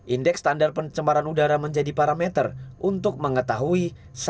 indeks standar pencemaran udara menjadi parameter untuk mengetahui